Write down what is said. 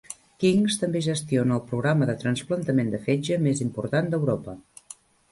King's també gestiona el programa de trasplantament de fetge més important d'Europa.